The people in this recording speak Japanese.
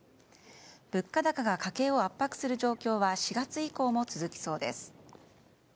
物価高が家計を圧迫する状況は４月以降も続きそうです。